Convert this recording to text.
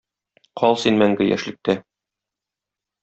Кал син мәңге яшьлектә